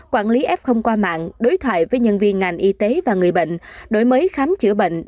quản lý f qua mạng đối thoại với nhân viên ngành y tế và người bệnh đổi mới khám chữa bệnh